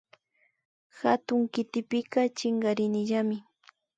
Hatun kitipika chinkarinillami